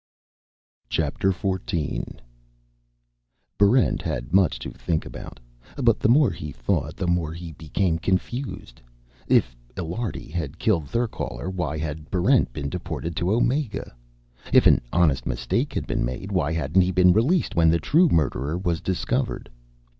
Chapter Fourteen Barrent had much to think about, but the more he thought, the more he became confused. If Illiardi had killed Therkaler, why had Barrent been deported to Omega? If an honest mistake had been made, why hadn't he been released when the true murderer was discovered?